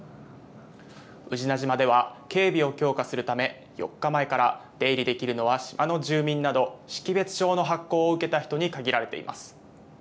宇品島では警備を強化するため、４日前から出入りできるのは島の住民など識別証の発行を受けた人に限られています。